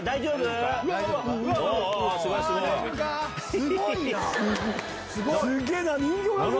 すごいな！